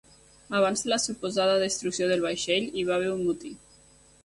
Abans de la suposada destrucció del vaixell, hi va haver un motí.